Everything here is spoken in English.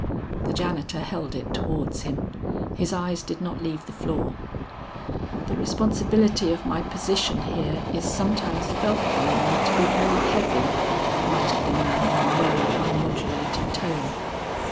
The janitor held it towards him; his eyes did not leave the floor. "The responsibility of my position here is sometimes felt by me to be very heavy," muttered the man in a low, unmodulated tone.